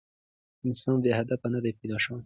انسان بې هدفه نه دی پيداشوی